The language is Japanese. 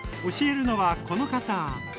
教えるのはこの方。